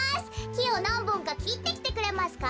きをなんぼんかきってきてくれますか？